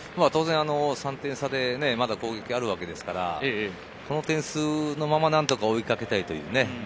３点差でまだ攻撃があるわけですから、この点数のまま何とか追いかけたいというね。